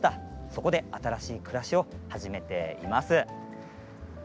そこで新しい暮らしを始めています。